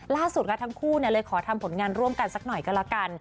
ล่าสุดค่ะทั้งคู่เลยขอทำผลงานร่วมกันสักหน่อยก็แล้วกัน